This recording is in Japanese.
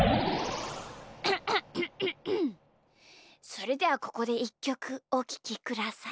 それではここでいっきょくおききください。